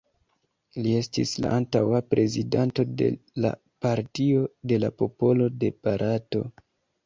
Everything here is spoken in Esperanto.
Li estis la antaŭa Prezidanto de la Partio de la Popolo de Barato.